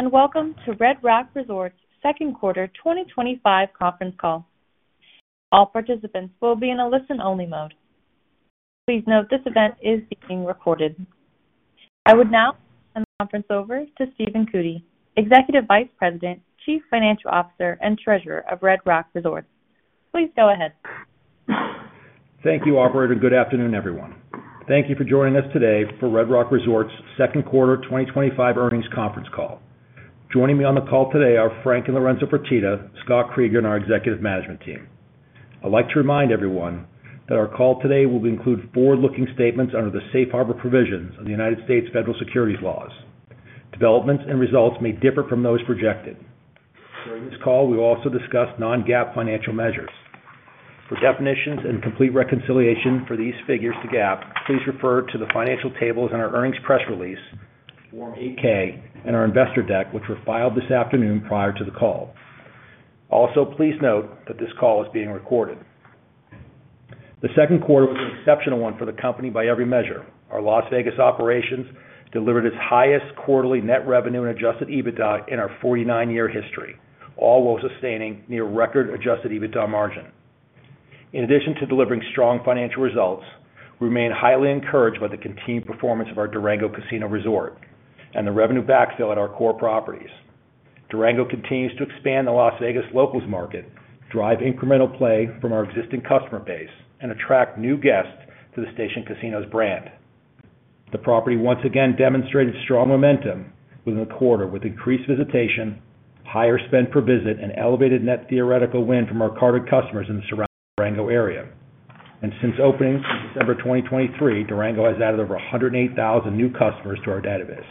Welcome to Red Rock Resorts' Second Quarter 2025 Conference Call. All participants will be in a listen-only mode. Please note this event is being recorded. I would now turn the conference over to Stephen Cootey, Executive Vice President, Chief Financial Officer, and Treasurer of Red Rock Resorts. Please go ahead. Thank you, Operator. Good afternoon, everyone. Thank you for joining us today for Red Rock Resorts' Second Quarter 2025 Earnings Conference Call. Joining me on the call today are Frank and Lorenzo Fertitta, Scott Kreeger, and our Executive Management Team. I'd like to remind everyone that our call today will include forward-looking statements under the Safe Harbor provisions of the U.S. Federal Securities Laws. Developments and results may differ from those projected. During this call, we will also discuss non-GAAP financial measures. For definitions and complete reconciliation for these figures to GAAP, please refer to the financial tables in our earnings press release, Form 8K, and our investor deck, which were filed this afternoon prior to the call. Also, please note that this call is being recorded. The Second Quarter was an exceptional one for the company by every measure. Our Las Vegas operations delivered its highest quarterly net revenue and Adjusted EBITDA in our 49-year history, all while sustaining near-record Adjusted EBITDA margin. In addition to delivering strong financial results, we remain highly encouraged by the continued performance of our Durango Casino Resort and the revenue backfill at our core properties. Durango continues to expand the Las Vegas Locals market, drive incremental play from our existing customer base, and attract new guests to the Station Casinos brand. The property once again demonstrated strong momentum within the quarter, with increased visitation, higher spend per visit, and elevated net theoretical win from our carded customers in the surrounding Durango area. Since opening in December 2023, Durango has added over 108,000 new customers to our database.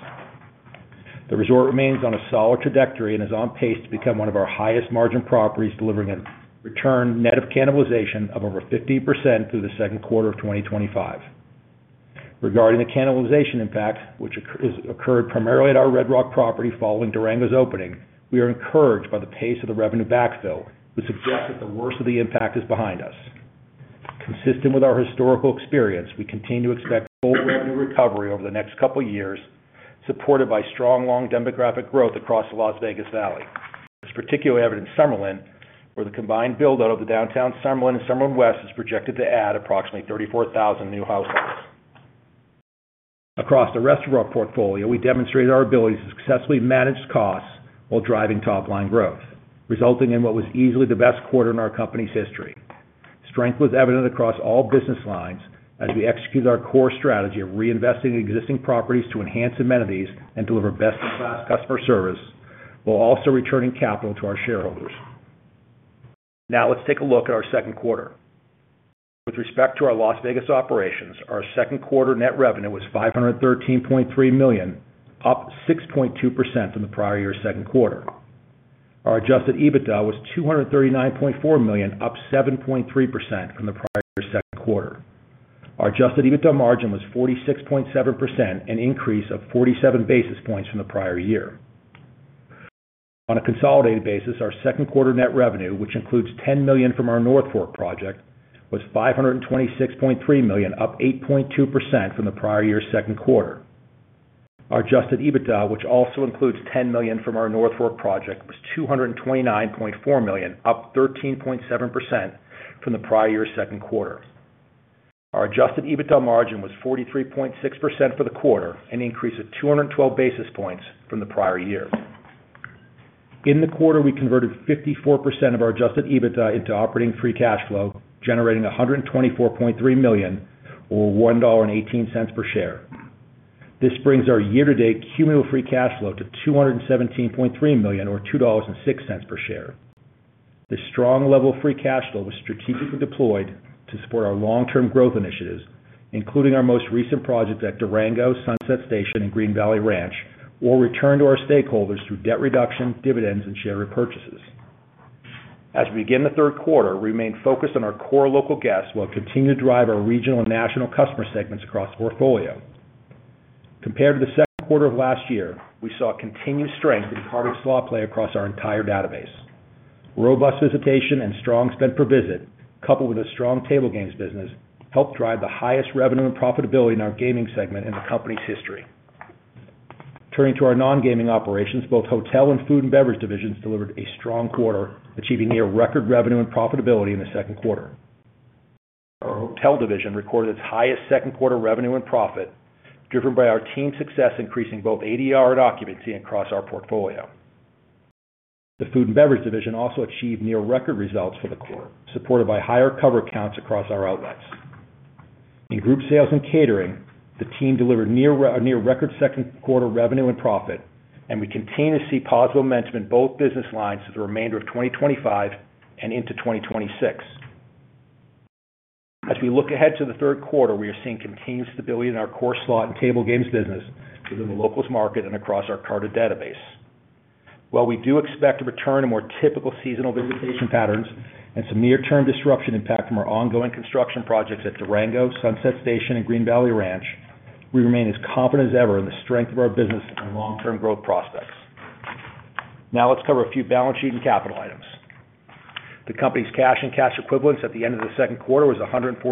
The resort remains on a solid trajectory and is on pace to become one of our highest margin properties, delivering a return net of cannibalization of over 15% through the Second Quarter of 2025. Regarding the cannibalization impact, which occurred primarily at our Red Rock property following Durango's opening, we are encouraged by the pace of the revenue backfill, which suggests that the worst of the impact is behind us. Consistent with our historical experience, we continue to expect full revenue recovery over the next couple of years, supported by strong long demographic growth across the Las Vegas Valley. This is particularly evident in Summerlin, where the combined build-out of the downtown Summerlin and Summerlin West is projected to add approximately 34,000 new households. Across the rest of our portfolio, we demonstrated our ability to successfully manage costs while driving top-line growth, resulting in what was easily the best quarter in our company's history. Strength was evident across all business lines as we executed our core strategy of reinvesting in existing properties to enhance amenities and deliver best-in-class customer service, while also returning capital to our shareholders. Now let's take a look at our Second Quarter. With respect to our Las Vegas operations, our Second Quarter net revenue was $513.3 million, up 6.2% from the prior year's Second Quarter. Our Adjusted EBITDA was $239.4 million, up 7.3% from the prior year's Second Quarter. Our Adjusted EBITDA margin was 46.7%, an increase of 47 basis points from the prior year. On a consolidated basis, our Second Quarter net revenue, which includes $10 million from our North Fork project, was $526.3 million, up 8.2% from the prior year's Second Quarter. Our Adjusted EBITDA, which also includes $10 million from our North Fork project, was $229.4 million, up 13.7% from the prior year's Second Quarter. Our Adjusted EBITDA margin was 43.6% for the quarter, an increase of 212 basis points from the prior year. In the quarter, we converted 54% of our Adjusted EBITDA into operating free cash flow, generating $124.3 million, or $1.18 per share. This brings our year-to-date cumulative free cash flow to $217.3 million, or $2.06 per share. This strong level of free cash flow was strategically deployed to support our long-term growth initiatives, including our most recent projects at Durango Casino Resort, Sunset Station, and Green Valley Ranch, or returned to our stakeholders through debt reduction, dividends, and share repurchases. As we begin the third quarter, we remain focused on our core local guests while continuing to drive our regional and national customer segments across the portfolio. Compared to the Second Quarter of last year, we saw continued strength in carded slot play across our entire database. Robust visitation and strong spend per visit, coupled with a strong table games business, helped drive the highest revenue and profitability in our gaming segment in the company's history. Turning to our non-gaming operations, both hotel and food and beverage divisions delivered a strong quarter, achieving near-record revenue and profitability in the Second Quarter. Our hotel division recorded its highest Second Quarter revenue and profit, driven by our team's success increasing both ADR and occupancy across our portfolio. The food and beverage division also achieved near-record results for the quarter, supported by higher cover counts across our outlets. In Group Sales and Catering, the team delivered near-record Second Quarter revenue and profit, and we continue to see positive momentum in both business lines for the remainder of 2025 and into 2026. As we look ahead to the third quarter, we are seeing continued stability in our core slot and table games business within the Locals market and across our carded database. While we do expect a return to more typical seasonal visitation patterns and some near-term disruption impact from our ongoing construction projects at Durango Casino Resort, Sunset Station, and Green Valley Ranch, we remain as confident as ever in the strength of our business and long-term growth prospects. Now let's cover a few balance sheet and capital items. The company's cash and cash equivalents at the end of the Second Quarter were $145.2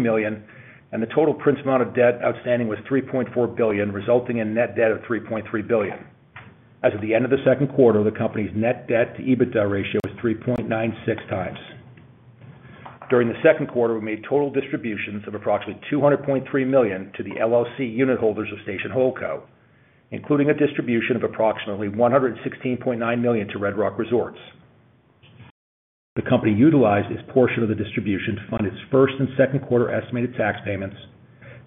million, and the total print amount of debt outstanding was $3.4 billion, resulting in a net debt of $3.3 billion. As of the end of the Second Quarter, the company's net debt to EBITDA ratio was 3.96 times. During the Second Quarter, we made total distributions of approximately $200.3 million to the LLC unit holders of Station Holdco, including a distribution of approximately $116.9 million to Red Rock Resorts. The company utilized this portion of the distribution to fund its first and Second Quarter estimated tax payments,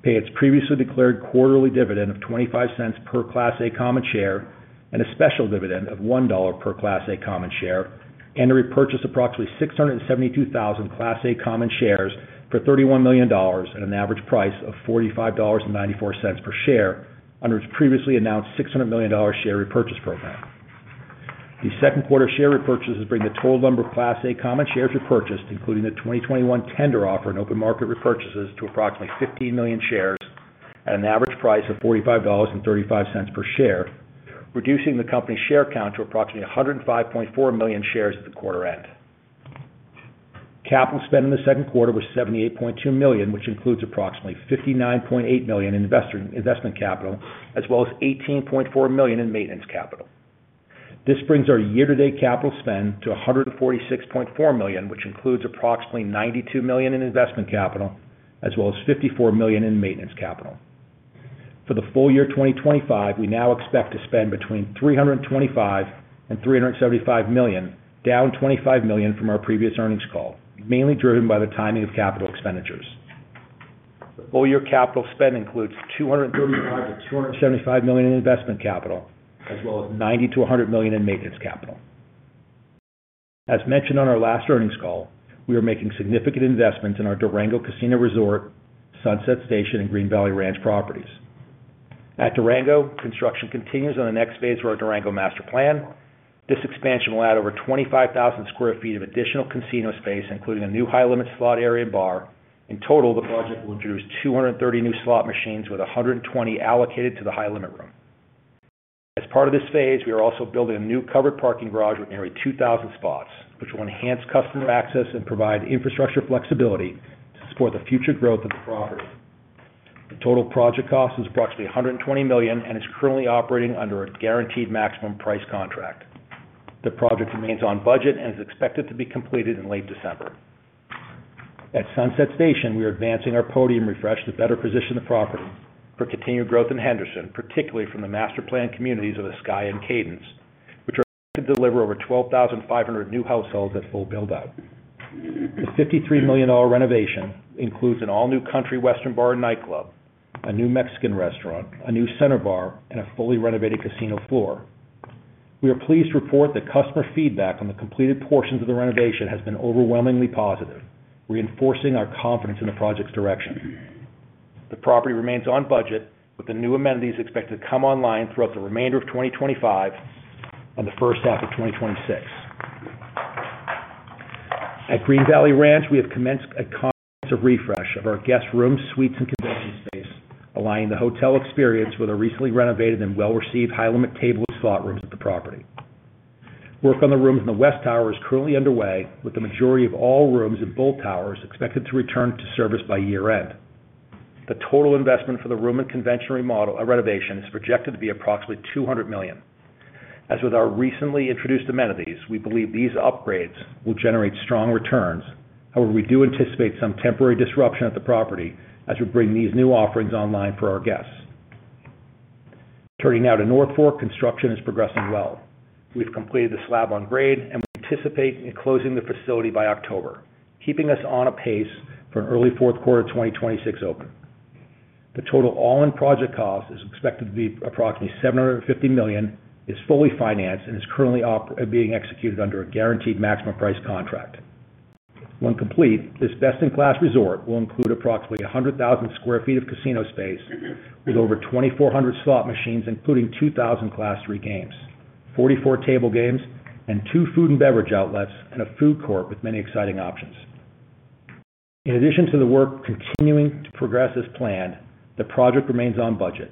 pay its previously declared quarterly dividend of $0.25 per Class A common share, and a special dividend of $1 per Class A common share, and to repurchase approximately 672,000 Class A common shares for $31 million at an average price of $45.94 per share under its previously announced $600 million share repurchase program. The Second Quarter share repurchases bring the total number of Class A common shares repurchased, including the 2021 tender offer and open market repurchases, to approximately 15 million shares at an average price of $45.35 per share, reducing the company's share count to approximately 105.4 million shares at the quarter end. Capital spend in the Second Quarter was $78.2 million, which includes approximately $59.8 million in investment capital, as well as $18.4 million in maintenance capital. This brings our year-to-date capital spend to $146.4 million, which includes approximately $92 million in investment capital, as well as $54 million in maintenance capital. For the full year 2025, we now expect to spend between $325 and $375 million, down $25 million from our previous earnings call, mainly driven by the timing of capital expenditures. The full-year capital spend includes $235 to $275 million in investment capital, as well as $90 to $100 million in maintenance capital. As mentioned on our last earnings call, we are making significant investments in our Durango Casino Resort, Sunset Station, and Green Valley Ranch properties. At Durango, construction continues on the next phase of our Durango master plan. This expansion will add over 25,000 square feet of additional casino space, including a new high-limit slot area and bar. In total, the project will introduce 230 new slot machines, with 120 allocated to the high-limit room. As part of this phase, we are also building a new covered parking garage with nearly 2,000 spots, which will enhance customer access and provide infrastructure flexibility to support the future growth of the property. The total project cost is approximately $120 million and is currently operating under a guaranteed maximum price contract. The project remains on budget and is expected to be completed in late December. At Sunset Station, we are advancing our podium refresh to better position the property for continued growth in Henderson, particularly from the master plan communities of the Sky and Cadence, which are expected to deliver over 12,500 new households at full build-out. The $53 million renovation includes an all-new Country Western Bar and Nightclub, a new Mexican restaurant, a new center bar, and a fully renovated casino floor. We are pleased to report that customer feedback on the completed portions of the renovation has been overwhelmingly positive, reinforcing our confidence in the project's direction. The property remains on budget, with the new amenities expected to come online throughout the remainder of 2025 and the first half of 2026. At Green Valley Ranch, we have commenced a comprehensive refresh of our guest rooms, suites, and convention space, aligning the hotel experience with our recently renovated and well-received high-limit table and slot rooms at the property. Work on the rooms in the West Tower is currently underway, with the majority of all rooms in both towers expected to return to service by year-end. The total investment for the room and convention remodel renovation is projected to be approximately $200 million. As with our recently introduced amenities, we believe these upgrades will generate strong returns. However, we do anticipate some temporary disruption at the property as we bring these new offerings online for our guests. Turning now to North Fork, construction is progressing well. We've completed the slab on grade and anticipate closing the facility by October, keeping us on a pace for an early Fourth Quarter of 2026 open. The total all-in project cost is expected to be approximately $750 million, is fully financed, and is currently being executed under a guaranteed maximum price contract. When complete, this best-in-class resort will include approximately 100,000 square feet of casino space, with over 2,400 slot machines, including 2,000 Class III games, 44 table games, and two food and beverage outlets, and a food court with many exciting options. In addition to the work continuing to progress as planned, the project remains on budget.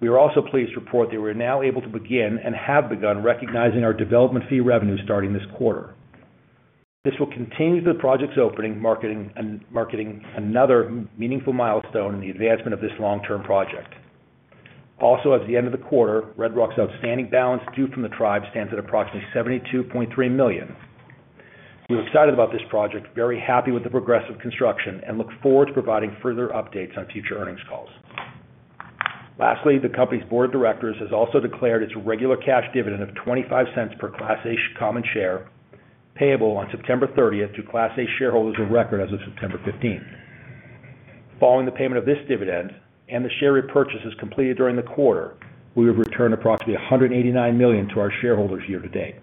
We are also pleased to report that we are now able to begin and have begun recognizing our development fee revenue starting this quarter. This will continue to the project's opening, marking another meaningful milestone in the advancement of this long-term project. Also, as of the end of the quarter, Red Rock's outstanding balance due from the tribe stands at approximately $72.3 million. We're excited about this project, very happy with the progressive construction, and look forward to providing further updates on future earnings calls. Lastly, the company's Board of Directors has also declared its regular cash dividend of $0.25 per Class A common share, payable on September 30 to Class A shareholders of record as of September 15. Following the payment of this dividend and the share repurchases completed during the quarter, we have returned approximately $189 million to our shareholders year to date.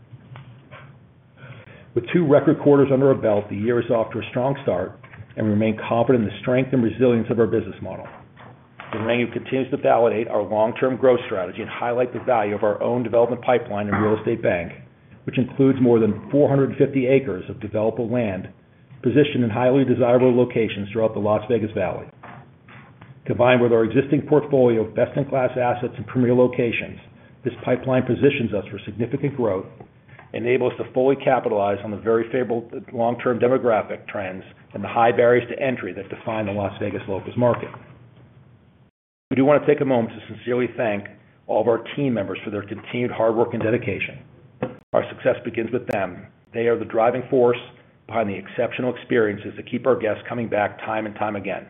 With two record quarters under our belt, the year is off to a strong start, and we remain confident in the strength and resilience of our business model. Durango continues to validate our long-term growth strategy and highlight the value of our own development pipeline and real estate bank, which includes more than 450 acres of developable land positioned in highly desirable locations throughout the Las Vegas Valley. Combined with our existing portfolio of best-in-class assets and premier locations, this pipeline positions us for significant growth and enables us to fully capitalize on the very favorable long-term demographic trends and the high barriers to entry that define the Las Vegas Locals market. We do want to take a moment to sincerely thank all of our team members for their continued hard work and dedication. Our success begins with them. They are the driving force behind the exceptional experiences that keep our guests coming back time and time again.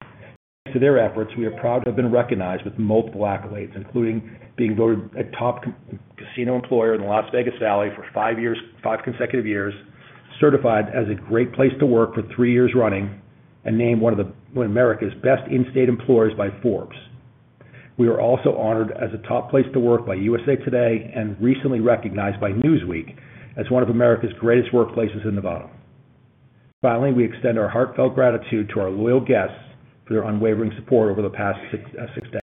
Thanks to their efforts, we are proud to have been recognized with multiple accolades, including being voted a top casino employer in the Las Vegas Valley for five consecutive years, certified as a great place to work for three years running, and named one of America's best in-state employers by Forbes. We are also honored as a top place to work by USA Today and recently recognized by Newsweek as one of America's greatest workplaces in Nevada. Finally, we extend our heartfelt gratitude to our loyal guests for their unwavering support over the past six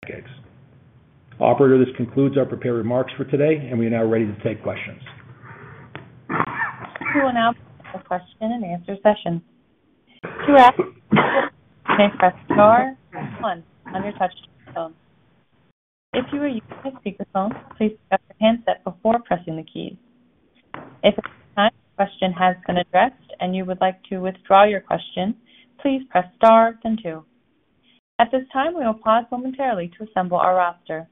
decades. Operator, this concludes our prepared remarks for today, and we are now ready to take questions. We will now begin the question and answer session. To ask a question, you may press star one on your touch phone. If you are using a speaker phone, please have your handset before pressing the key. If at this time your question has been addressed and you would like to withdraw your question, please press star then two. At this time, we will pause momentarily to assemble our roster.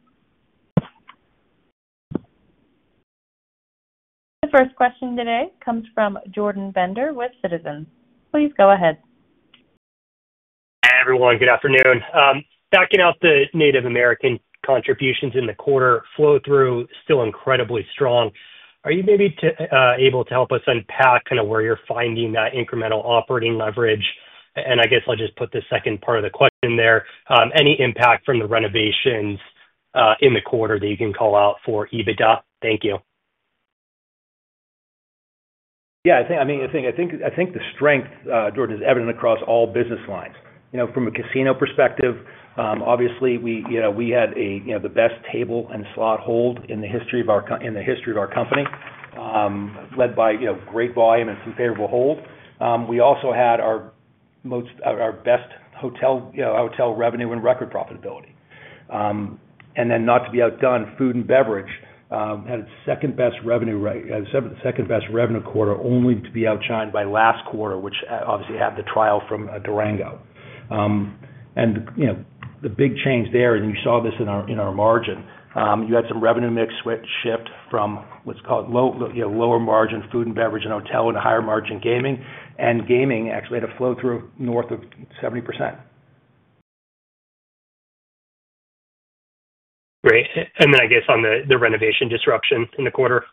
The first question today comes from Jordan Bender with Citizens JMP, please go ahead. Hi, everyone. Good afternoon. Backing out the Native American contributions in the quarter, flow-through is still incredibly strong. Are you maybe able to help us unpack kind of where you're finding that incremental operating leverage? I guess I'll just put the second part of the question there. Any impact from the renovations in the quarter that you can call out for EBITDA? Thank you. Yeah, I think the strength, Jordan, is evident across all business lines. You know, from a casino perspective, obviously, we had the best table and slot hold in the history of our company, led by great volume and some favorable hold. We also had our best hotel revenue and record profitability. Food and beverage had its second best revenue quarter, only to be outshined by last quarter, which obviously had the trial from Durango. The big change there, and you saw this in our margin, you had some revenue mix shift from what's called lower margin food and beverage and hotel and a higher margin gaming. Gaming actually had a flow-through north of 70%. Great. I guess on the renovation disruption in the quarter?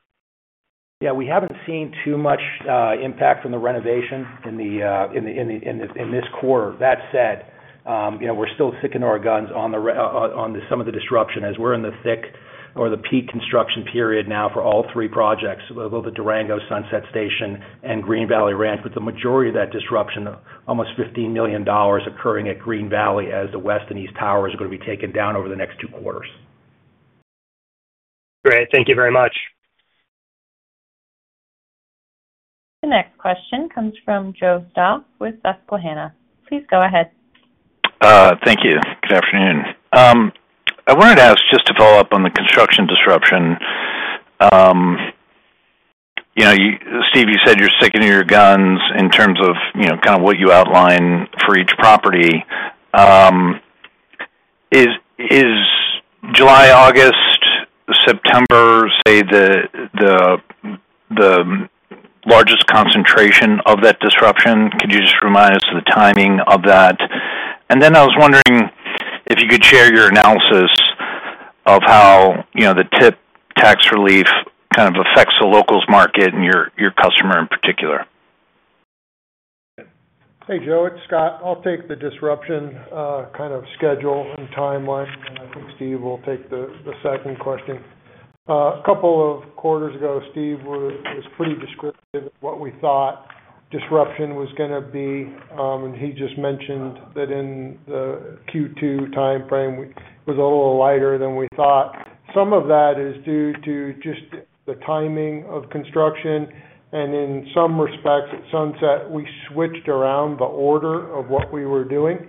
Yeah, we haven't seen too much impact from the renovation in this quarter. That said, you know, we're still sticking our guns on some of the disruption as we're in the thick or the peak construction period now for all three projects, both the Durango Casino Resort, Sunset Station, and Green Valley Ranch, with the majority of that disruption, almost $15 million, occurring at Green Valley Ranch as the West and East Towers are going to be taken down over the next two quarters. Great, thank you very much. The next question comes from Joe Stauff with Susquehanna, please go ahead. Thank you. Good afternoon. I wanted to ask just to follow up on the construction disruption. Stephen, you said you're sticking to your guns in terms of what you outline for each property. Is July, August, September the largest concentration of that disruption? Could you just remind us of the timing of that? I was wondering if you could share your analysis of how the tip tax relief affects the Locals market and your customer in particular. Hey, Joe, it's Scott. I'll take the disruption kind of schedule and timeline, and I think Stephen will take the second question. A couple of quarters ago, Stephen was pretty descriptive of what we thought disruption was going to be, and he just mentioned that in the Q2 timeframe, it was a little lighter than we thought. Some of that is due to just the timing of construction, and in some respects at Sunset, we switched around the order of what we were doing.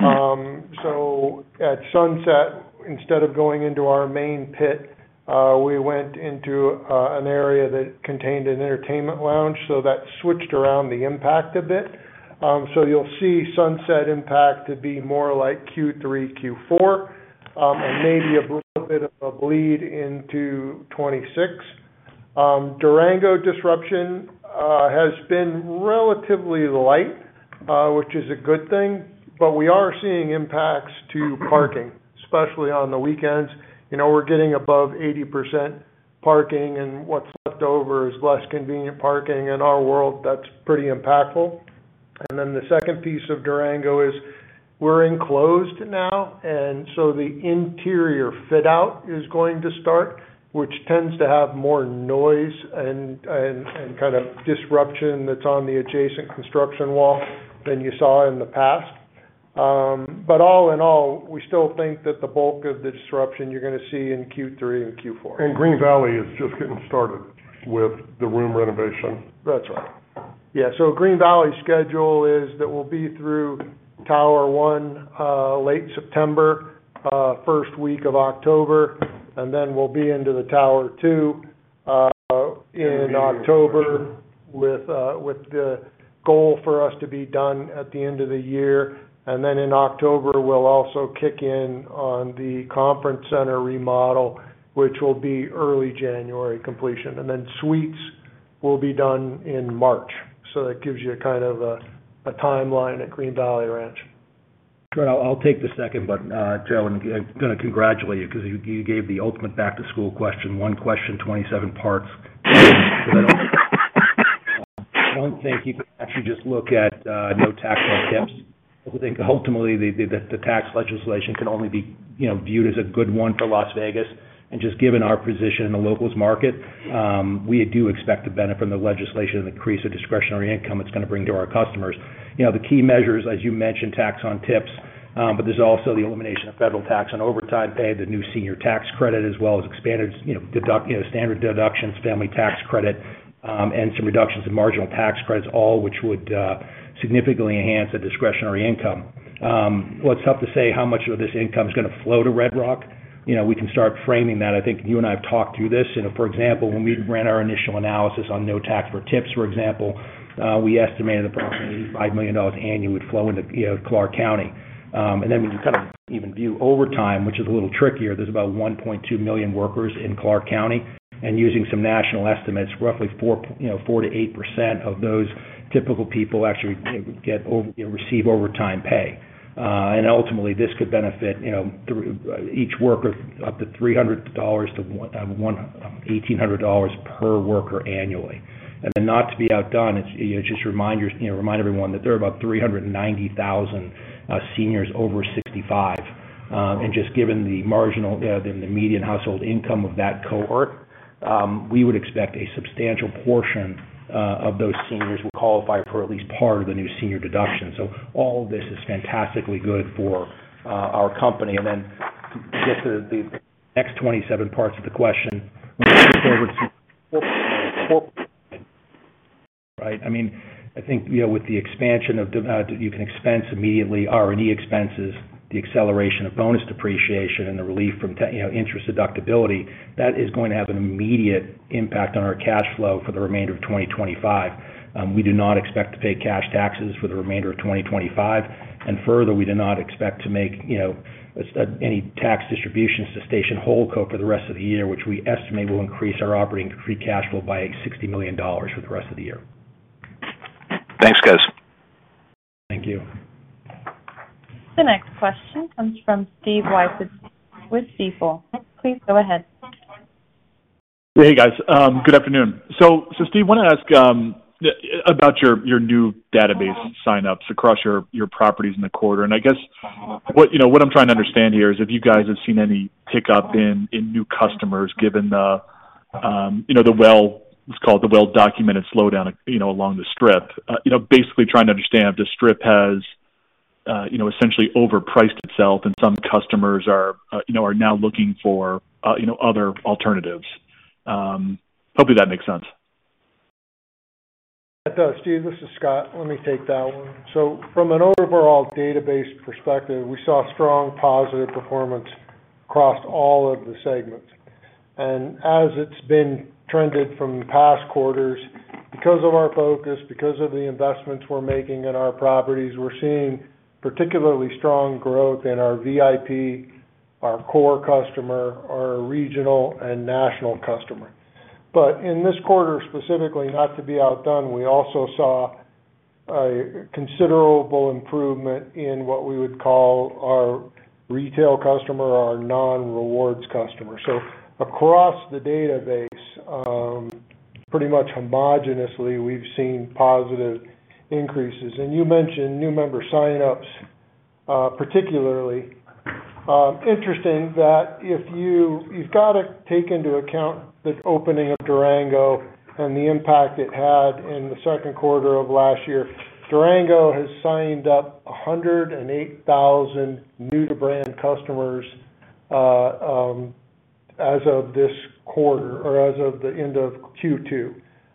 At Sunset, instead of going into our main pit, we went into an area that contained an entertainment lounge, so that switched around the impact a bit. You'll see Sunset impact to be more like Q3, Q4, and maybe a little bit of a bleed into 2026. Durango disruption has been relatively light, which is a good thing, but we are seeing impacts to parking, especially on the weekends. We're getting above 80% parking, and what's left over is less convenient parking. In our world, that's pretty impactful. The second piece of Durango is we're enclosed now, and the interior fit-out is going to start, which tends to have more noise and kind of disruption that's on the adjacent construction wall than you saw in the past. All in all, we still think that the bulk of the disruption you're going to see in Q3 and Q4. Green Valley is just getting started with the room renovation. That's right. Green Valley's schedule is that we'll be through Tower One late September, first week of October, and then we'll be into the Tower Two in October, with the goal for us to be done at the end of the year. In October, we'll also kick in on the conference center remodel, which will be early January completion. Suites will be done in March. That gives you kind of a timeline at Green Valley Ranch. I'll take the second, but Joe, I'm going to congratulate you because you gave the ultimate back-to-school question, one question, 27 parts. One thing you can actually just look at, no tax on tips. I think ultimately the tax legislation can only be viewed as a good one for Las Vegas. Just given our position in the Locals market, we do expect to benefit from the legislation and the increase of discretionary income it's going to bring to our customers. The key measures, as you mentioned, tax on tips, but there's also the elimination of federal tax on overtime pay, the new senior tax credit, as well as expanded standard deductions, family tax credit, and some reductions in marginal tax credits, all which would significantly enhance the discretionary income. It's tough to say how much of this income is going to flow to Red Rock. You know, we can start framing that. I think you and I have talked through this. For example, when we ran our initial analysis on no tax for tips, for example, we estimated approximately $85 million annually would flow into Clark County. When you kind of even view overtime, which is a little trickier, there's about 1.2 million workers in Clark County. Using some national estimates, roughly 4% to 8% of those typical people actually receive overtime pay. Ultimately, this could benefit each worker up to $300 to $1,800 per worker annually. Not to be outdone, just remind everyone that there are about 390,000 seniors over 65. Just given the median household income of that cohort, we would expect a substantial portion of those seniors will qualify for at least part of the new senior deduction. All of this is fantastically good for our company. To get to the next 27 parts of the question, moving forward to some corporate side, right? I mean, I think, with the expansion of you can expense immediately, R&E expenses, the acceleration of bonus depreciation, and the relief from interest deductibility, that is going to have an immediate impact on our cash flow for the remainder of 2025. We do not expect to pay cash taxes for the remainder of 2025. Further, we do not expect to make any tax distributions to Station Holdco for the rest of the year, which we estimate will increase our operating free cash flow by $60 million for the rest of the year. Thanks, guys. Thank you. The next question comes from Stephen Wieczynski with Stifel, please go ahead. Hey, guys. Good afternoon. Stephen, I want to ask about your new database signups across your properties in the quarter. I guess what I'm trying to understand here is if you guys have seen any pickup in new customers given the, you know, let's call it the well-documented slowdown along the Strip. I'm basically trying to understand if the Strip has essentially overpriced itself and some customers are now looking for other alternatives. Hopefully, that makes sense. It does. Stephen, this is Scott. Let me take that one. From an overall database perspective, we saw strong positive performance across all of the segments. As it's been trended from past quarters, because of our focus, because of the investments we're making in our properties, we're seeing particularly strong growth in our VIP, our core customer, our regional and national customer. In this quarter specifically, not to be outdone, we also saw a considerable improvement in what we would call our retail customer, our non-rewards customer. Across the database, pretty much homogeneously, we've seen positive increases. You mentioned new member signups, particularly. Interesting that if you've got to take into account the opening of Durango and the impact it had in the Second Quarter of last year, Durango has signed up 108,000 new-to-brand customers as of this quarter or as of the end of Q2.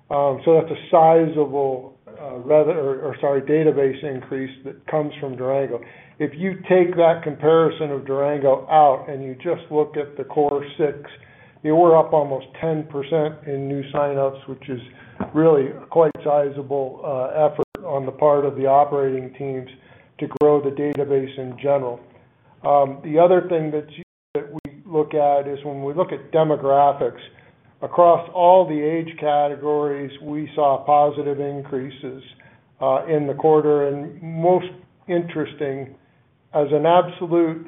That's a sizable, rather, database increase that comes from Durango. If you take that comparison of Durango out and you just look at the core six, we're up almost 10% in new signups, which is really quite a sizable effort on the part of the operating teams to grow the database in general. The other thing that we look at is when we look at demographics. Across all the age categories, we saw positive increases in the quarter. Most interesting, as an absolute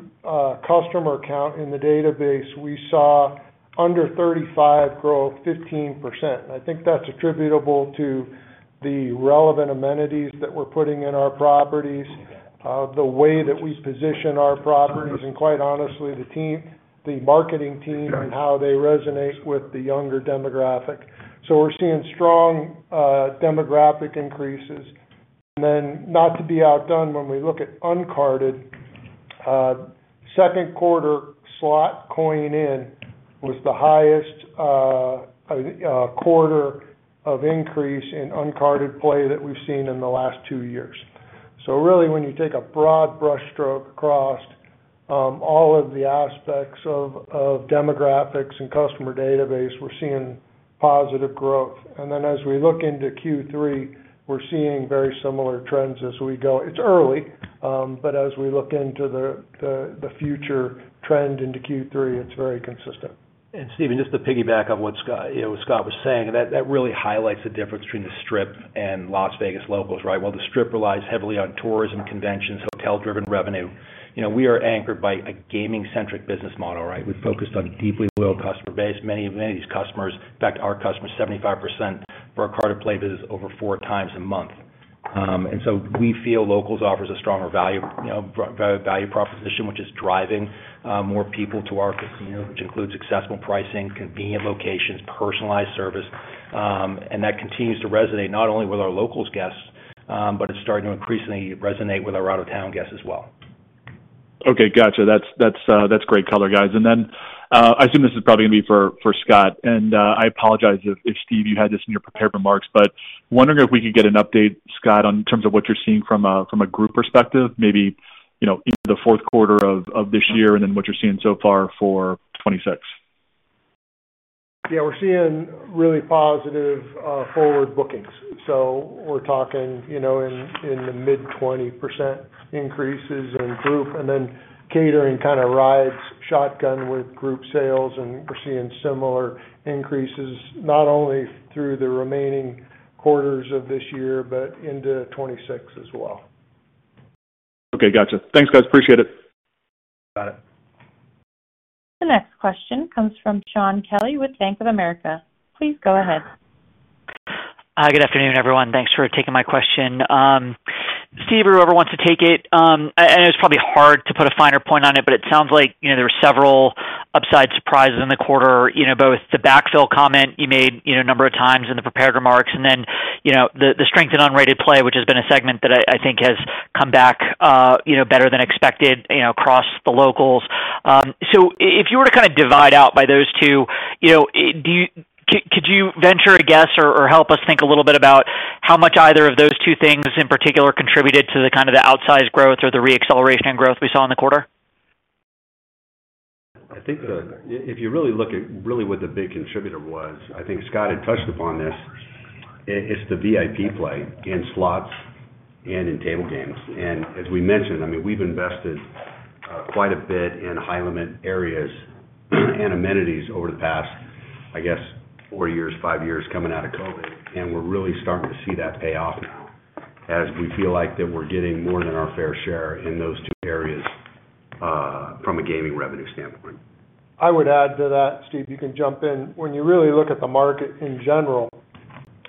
customer count in the database, we saw under 35 grow 15%. I think that's attributable to the relevant amenities that we're putting in our properties, the way that we position our properties, and quite honestly, the team, the marketing team, and how they resonate with the younger demographic. We're seeing strong demographic increases. Not to be outdone, when we look at uncarded, Second Quarter slot coin-in was the highest quarter of increase in uncarded play that we've seen in the last two years. When you take a broad brushstroke across all of the aspects of demographics and customer database, we're seeing positive growth. As we look into Q3, we're seeing very similar trends as we go. It's early, but as we look into the future trend into Q3, it's very consistent. Stephen, just to piggyback on what Scott was saying, that really highlights the difference between the Strip and Las Vegas Locals, right? The Strip relies heavily on tourism, conventions, hotel-driven revenue. You know, we are anchored by a gaming-centric business model, right? We've focused on a deeply loyal customer base. Many of these customers, in fact, our customers, 75% of our carded play visits are over four times a month. We feel Locals offers a stronger value proposition, which is driving more people to our casinos, which includes accessible pricing, convenient locations, personalized service. That continues to resonate not only with our Locals guests, but it's starting to increasingly resonate with our out-of-town guests as well. Okay, gotcha. That's great color, guys. I assume this is probably going to be for Scott. I apologize if Stephen, you had this in your prepared remarks, but wondering if we could get an update, Scott, in terms of what you're seeing from a group perspective, maybe the fourth quarter of this year and then what you're seeing so far for 2026. Yeah, we're seeing really positive forward bookings. We're talking, you know, in the mid-20% increases in group, and then catering kind of rides shotgun with Group Sales, and we're seeing similar increases not only through the remaining quarters of this year, but into 2026 as well. Okay, gotcha. Thanks, guys. Appreciate it. Got it. The next question comes from Shaun Kelley with Bank of America, please go ahead. Good afternoon, everyone. Thanks for taking my question. Stephen, or whoever wants to take it, I know it's probably hard to put a finer point on it, but it sounds like there were several upside surprises in the quarter, both the backfill comment you made a number of times in the prepared remarks, and then the strength in uncarded play, which has been a segment that I think has come back better than expected across the Locals. If you were to kind of divide out by those two, could you venture a guess or help us think a little bit about how much either of those two things in particular contributed to the kind of outsized growth or the reacceleration in growth we saw in the quarter? I think if you really look at what the big contributor was, I think Scott had touched upon this, it's the VIP play in slots and in table games. As we mentioned, we've invested quite a bit in high-limit areas and amenities over the past four years, five years coming out of COVID. We're really starting to see that pay off now as we feel like we're getting more than our fair share in those two areas from a gaming revenue standpoint. I would add to that, Stephen, you can jump in. When you really look at the market in general,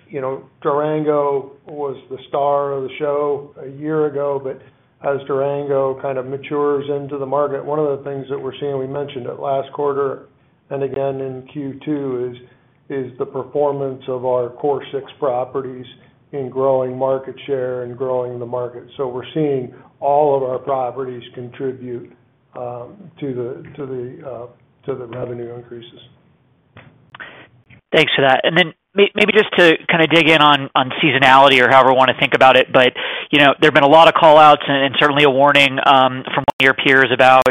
you know, Durango was the star of the show a year ago, but as Durango kind of matures into the market, one of the things that we're seeing, we mentioned it last quarter and again in Q2, is the performance of our core six properties in growing market share and growing the market. We're seeing all of our properties contribute to the revenue increases. Thanks for that. Maybe just to kind of dig in on seasonality or however we want to think about it, but you know, there have been a lot of callouts and certainly a warning from one of your peers about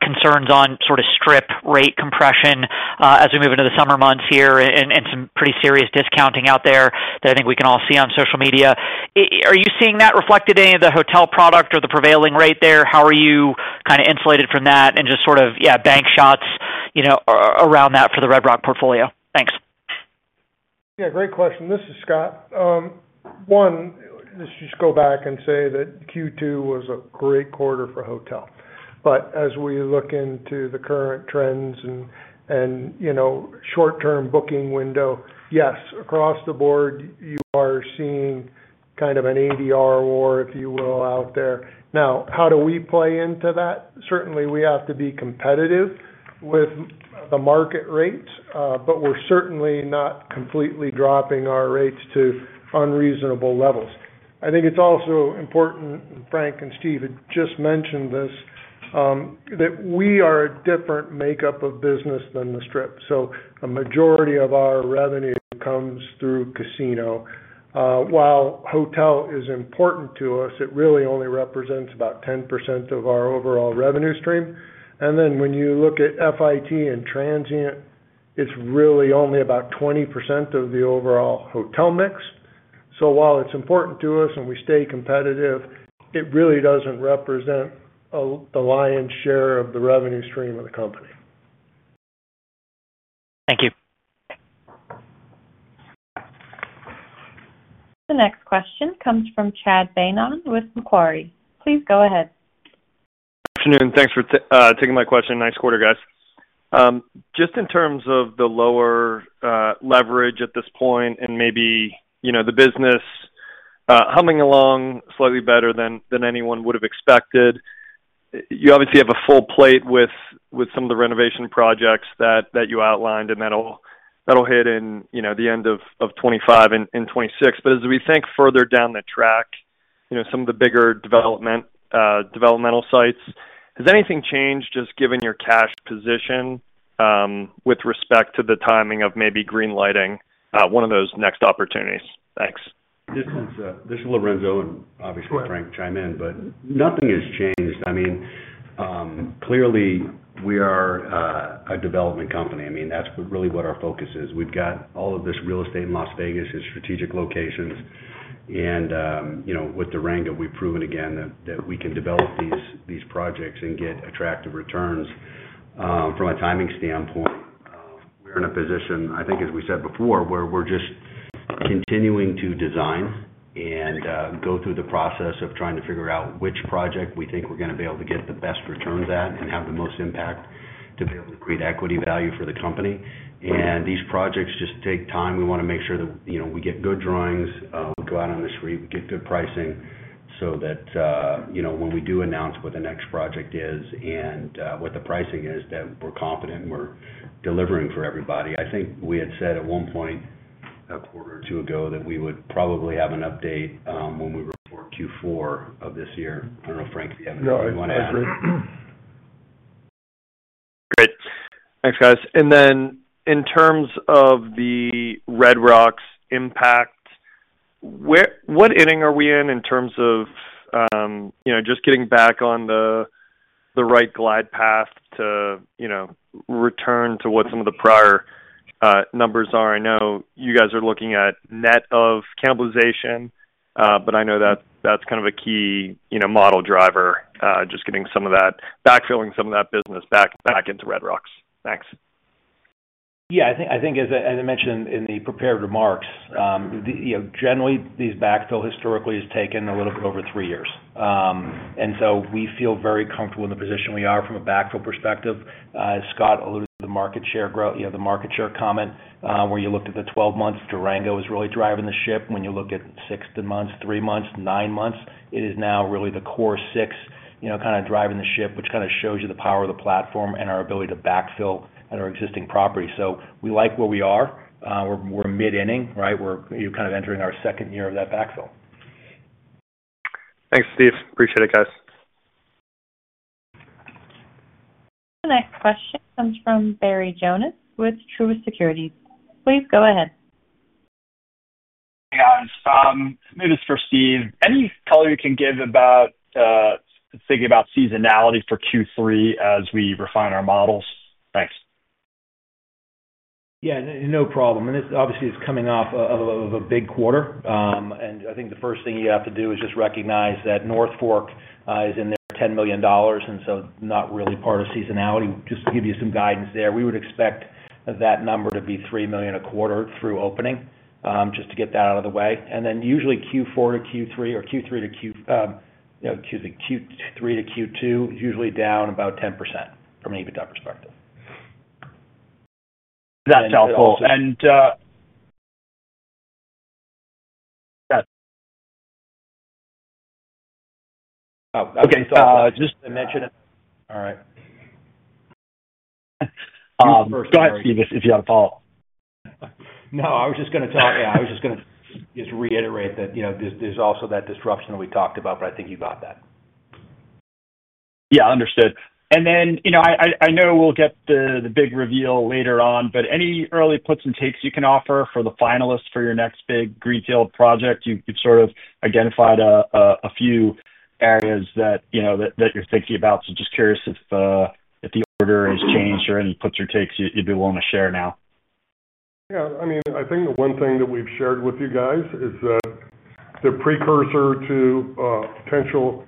concerns on sort of Strip rate compression as we move into the summer months here and some pretty serious discounting out there that I think we can all see on social media. Are you seeing that reflected in any of the hotel product or the prevailing rate there? How are you kind of insulated from that and just sort of, yeah, bank shots, you know, around that for the Red Rock portfolio? Thanks. Yeah, great question. This is Scott. One, let's just go back and say that Q2 was a great quarter for hotel. As we look into the current trends and, you know, short-term booking window, yes, across the board, you are seeing kind of an ADR war, if you will, out there. Now, how do we play into that? Certainly, we have to be competitive with the market rates, but we're certainly not completely dropping our rates to unreasonable levels. I think it's also important, and Frank and Stephen had just mentioned this, that we are a different makeup of business than the Strip. A majority of our revenue comes through casino. While hotel is important to us, it really only represents about 10% of our overall revenue stream. When you look at FIT and Transient, it's really only about 20% of the overall hotel mix. While it's important to us and we stay competitive, it really doesn't represent the lion's share of the revenue stream of the company. Thank you. The next question comes from Chad Beynon with Macquarie. please go ahead. Good afternoon. Thanks for taking my question. Nice quarter, guys. In terms of the lower leverage at this point and maybe the business humming along slightly better than anyone would have expected, you obviously have a full plate with some of the renovation projects that you outlined, and that'll hit in the end of 2025 and 2026. As we think further down that track, some of the bigger developmental sites, has anything changed just given your cash position with respect to the timing of maybe green lighting one of those next opportunities? Thanks. This one's a little red zone, and obviously, Frank, chime in, but nothing has changed. I mean, clearly, we are a development company. I mean, that's really what our focus is. We've got all of this real estate in Las Vegas in strategic locations. With Durango, we've proven again that we can develop these projects and get attractive returns from a timing standpoint. We are in a position, I think, as we said before, where we're just continuing to design and go through the process of trying to figure out which project we think we're going to be able to get the best returns at and have the most impact to be able to create equity value for the company. These projects just take time. We want to make sure that we get good drawings. We go out on the street, we get good pricing so that when we do announce what the next project is and what the pricing is, we're confident and we're delivering for everybody. I think we had said at one point a quarter or two ago that we would probably have an update when we report Q4 of this year. I don't know, Frank, do you have anything you want to add? Great. Thanks, guys. In terms of Red Rock's impact, what inning are we in in terms of just getting back on the right glide path to return to what some of the prior numbers are? I know you guys are looking at net of cannibalization, but I know that that's kind of a key model driver, just getting some of that backfilling some of that business back into Red Rock's. Thanks. I think, as I mentioned in the prepared remarks, generally, these backfills historically have taken a little bit over three years. We feel very comfortable in the position we are from a backfill perspective. As Scott alluded to, the market share growth, the market share comment where you looked at the 12 months, Durango is really driving the ship. When you look at 16 months, three months, nine months, it is now really the core six kind of driving the ship, which shows you the power of the platform and our ability to backfill at our existing property. We like where we are. We're mid-inning, right? We're kind of entering our second year of that backfill. Thanks, Stephen. Appreciate it, guys. The next question comes from Barry Jonas with Truist Securities, please go ahead. Hey, guys. Maybe this is for Stephen. Any color you can give about thinking about seasonality for Q3 as we refine our models? Thanks. Yeah, no problem. This obviously is coming off of a big quarter. I think the first thing you have to do is just recognize that North Fork is in there $10 million, and so not really part of seasonality. Just to give you some guidance there, we would expect that number to be $3 million a quarter through opening, just to get that out of the way. Usually Q4 to Q3 or Q3 to Q2 is usually down about 10% from an EBITDA perspective. That's helpful. Yeah. Okay, just to mention it. All right. Go ahead, Stephen, if you have a follow-up. I was just going to reiterate that, you know, there's also that disruption that we talked about, but I think you got that. Yeah, understood. I know we'll get the big reveal later on, but any early puts and takes you can offer for the finalists for your next big greenfield project? You've sort of identified a few areas that you're thinking about. Just curious if the order has changed or any puts or takes you'd be willing to share now. Yeah, I mean, I think the one thing that we've shared with you guys is that the precursor to potential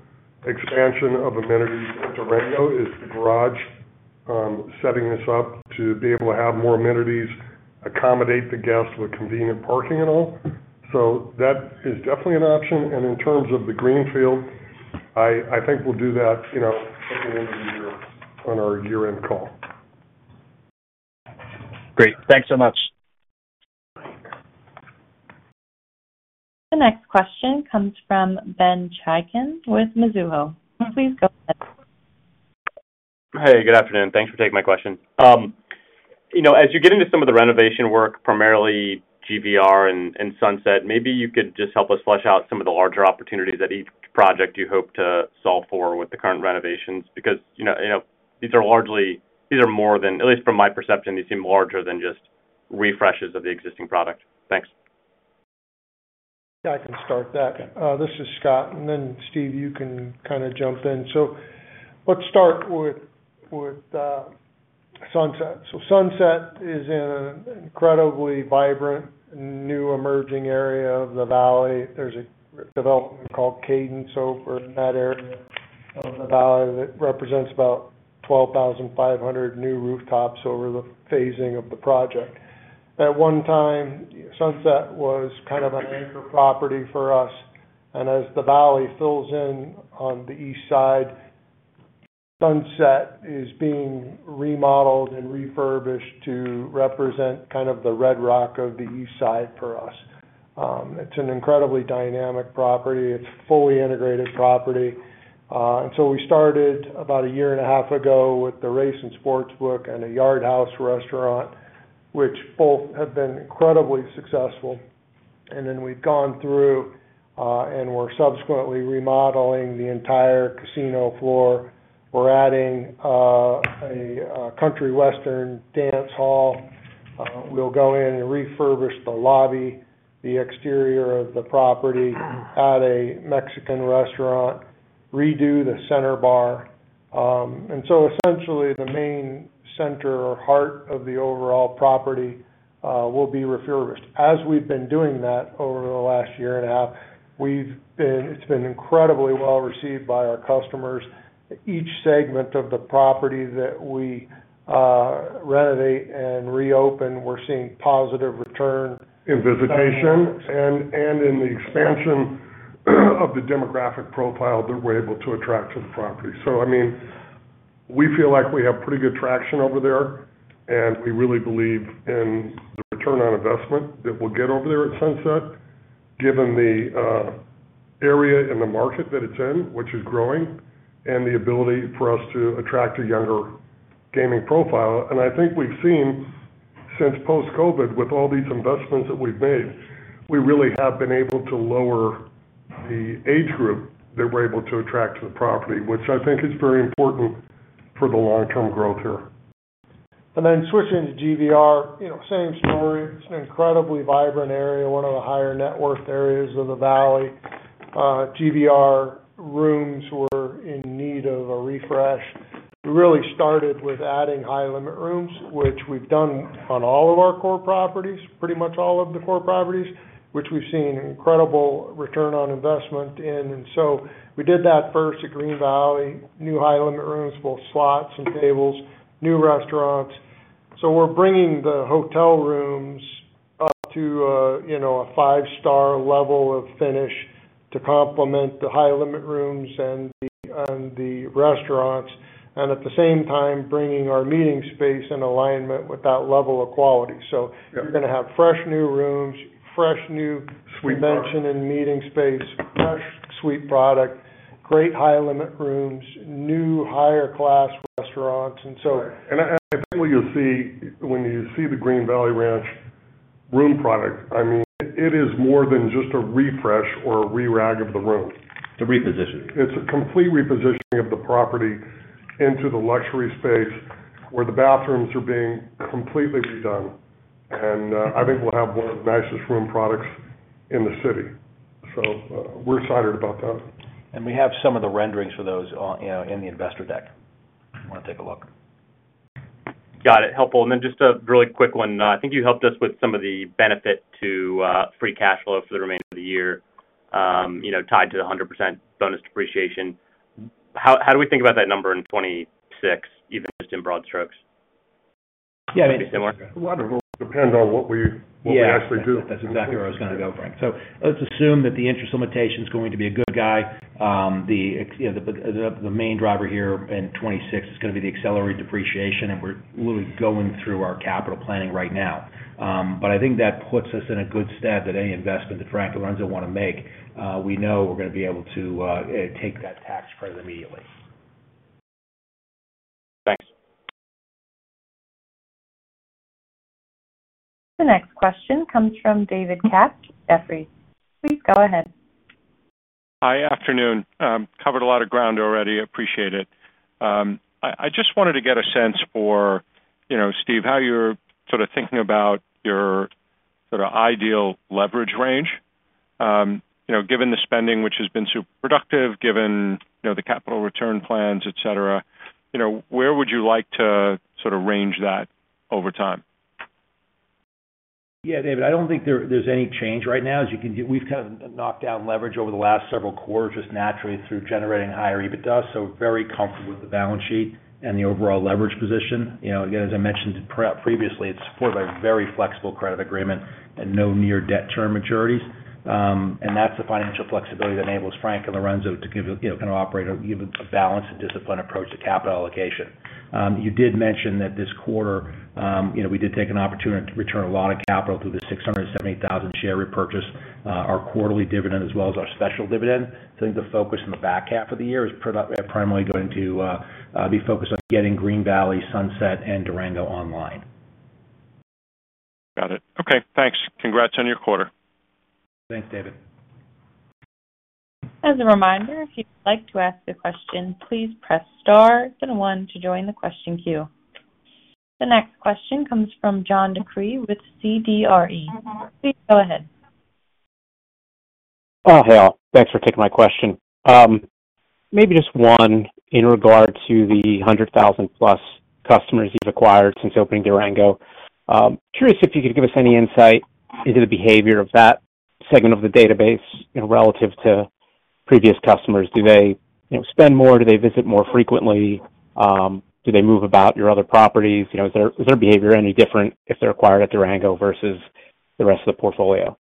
expansion of amenities at Durango is the garage, setting this up to be able to have more amenities, accommodate the guests with convenient parking and all. That is definitely an option. In terms of the greenfield, I think we'll do that at the end of the year or our year-end call. Great. Thanks so much. The next question comes from Benjamin Chaiken with Mizuho, please go ahead. Hey, good afternoon. Thanks for taking my question. As you get into some of the renovation work, primarily Green Valley Ranch and Sunset Station, maybe you could just help us flesh out some of the larger opportunities that each project you hope to solve for with the current renovations, because these are largely, these are more than, at least from my perception, these seem larger than just refreshes of the existing product. Thanks. Yeah, I can start that. This is Scott. Stephen, you can kind of jump in. Let's start with Sunset. Sunset is in an incredibly vibrant new emerging area of the valley. There's a development called Cadence over in that area of the valley that represents about 12,500 new rooftops over the phasing of the project. At one time, Sunset was kind of an anchor property for us. As the valley fills in on the east side, Sunset is being remodeled and refurbished to represent kind of the Red Rock of the east side for us. It's an incredibly dynamic property. It's a fully integrated property. We started about a year and a half ago with the race and sportsbook and a Yard House restaurant, which both have been incredibly successful. We've gone through and we're subsequently remodeling the entire casino floor. We're adding a Country Western dance hall. We'll go in and refurbish the lobby, the exterior of the property, add a Mexican restaurant, redo the center bar. Essentially, the main center or heart of the overall property will be refurbished. As we've been doing that over the last year and a half, it's been incredibly well received by our customers. Each segment of the property that we renovate and reopen, we're seeing positive return in visitation and in the expansion of the demographic profile that we're able to attract to the property. We feel like we have pretty good traction over there, and we really believe in the return on investment that we'll get over there at Sunset, given the area and the market that it's in, which is growing, and the ability for us to attract a younger gaming profile. I think we've seen since post-COVID, with all these investments that we've made, we really have been able to lower the age group that we're able to attract to the property, which I think is very important for the long-term growth here. Switching to GVR, same story. It's an incredibly vibrant area, one of the higher net worth areas of the valley. GVR rooms were in need of a refresh. We really started with adding high-limit rooms, which we've done on all of our core properties, pretty much all of the core properties, which we've seen an incredible return on investment in. We did that first at Green Valley, new high-limit rooms, both slots and tables, new restaurants. We are bringing the hotel rooms up to, you know, a five-star level of finish to complement the high-limit rooms and the restaurants, and at the same time, bringing our meeting space in alignment with that level of quality. You are going to have fresh new rooms, fresh new, we mentioned in meeting space, fresh suite product, great high-limit rooms, new higher-class restaurants. I think what you'll see when you see the Green Valley Ranch room product, I mean, it is more than just a refresh or a re-rag of the room. It's a reposition? It's a complete repositioning of the property into the luxury space, where the bathrooms are being completely redone. I think we'll have one of the nicest room products in the city. We're excited about that. We have some of the renderings for those in the investor deck. You want to take a look? Got it. Helpful. Just a really quick one. I think you helped us with some of the benefit to free cash flow for the remainder of the year, you know, tied to the 100% bonus depreciation. How do we think about that number in 2026, even just in broad strokes? Yeah, I mean, it's wonderful. It depends on what we actually do. That's exactly where I was going to go, Frank. Let's assume that the interest limitation is going to be a good guy. The main driver here in 2026 is going to be the accelerated depreciation, and we're really going through our capital planning right now. I think that puts us in a good stead that any investment that Frank and Lorenzo want to make, we know we're going to be able to take that tax credit immediately. Thanks. The next question comes from David Katz, Jefferies. Please go ahead. Hi, afternoon. Covered a lot of ground already. I appreciate it. I just wanted to get a sense for, you know, Stephen, how you're sort of thinking about your sort of ideal leverage range. You know, given the spending which has been super productive, given, you know, the capital return plans, etc., you know, where would you like to sort of range that over time? Yeah, David, I don't think there's any change right now. As you can see, we've kind of knocked out leverage over the last several quarters just naturally through generating higher EBITDA. We're very comfortable with the balance sheet and the overall leverage position. Again, as I mentioned previously, it's supported by a very flexible credit agreement and no near debt term maturities. That's the financial flexibility that enables Frank and Lorenzo to operate a balanced and disciplined approach to capital allocation. You did mention that this quarter we did take an opportunity to return a lot of capital through the 670,000 share repurchase, our quarterly dividend, as well as our special dividend. I think the focus in the back half of the year is primarily going to be focused on getting Green Valley Ranch, Sunset Station, and Durango Casino Resort online. Got it. Okay, thanks. Congrats on your quarter. Thanks, David. As a reminder, if you'd like to ask a question, please press star then one to join the question queue. The next question comes from John DeCree with CBRE please go ahead. Oh, hey, all. Thanks for taking my question. Maybe just one in regard to the 100,000-plus customers you've acquired since opening Durango. Curious if you could give us any insight into the behavior of that segment of the database, you know, relative to previous customers. Do they spend more? Do they visit more frequently? Do they move about your other properties? Is their behavior any different if they're acquired at Durango versus the rest of the portfolio?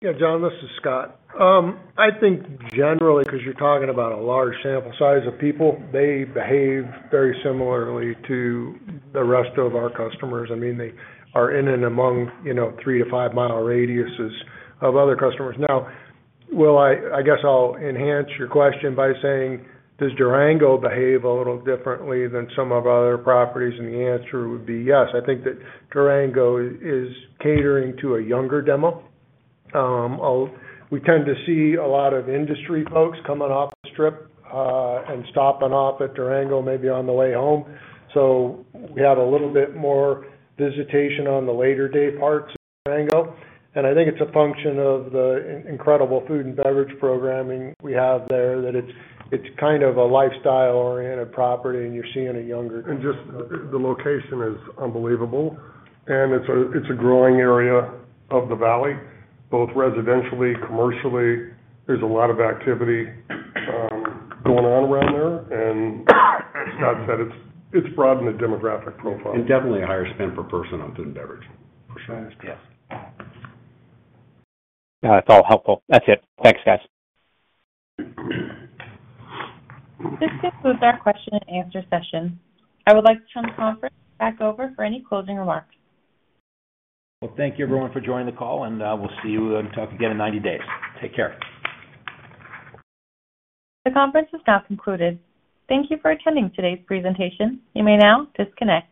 Yeah, John, this is Scott. I think generally, because you're talking about a large sample size of people, they behave very similarly to the rest of our customers. I mean, they are in and among, you know, three to five-mile radiuses of other customers. Now, I'll enhance your question by saying, does Durango behave a little differently than some of our other properties? The answer would be yes. I think that Durango is catering to a younger demo. We tend to see a lot of industry folks coming off the Strip and stopping off at Durango maybe on the way home. We have a little bit more visitation on the later-day parts of Durango. I think it's a function of the incredible food and beverage programming we have there that it's kind of a lifestyle-oriented property, and you're seeing a younger demand. The location is unbelievable. It's a growing area of the valley, both residentially and commercially. There's a lot of activity going on around there. As Scott said, it's broadened the demographic profile. is definitely a higher spend per person on food and beverage, for sure. Yeah, that's all helpful. That's it. Thanks, guys. This concludes our question and answer session. I would like to turn the conference back over for any closing remarks. Thank you everyone for joining the call, and we'll see you and talk again in 90 days. Take care. The conference is now concluded. Thank you for attending today's presentation. You may now disconnect.